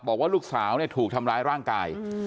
บอกว่าลูกสาวถูกทำร้ายร่างกาย